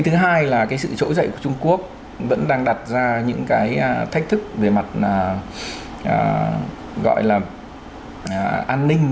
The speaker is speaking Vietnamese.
thứ hai là cái sự trỗi dậy của trung quốc vẫn đang đặt ra những cái thách thức về mặt gọi là an ninh của trung quốc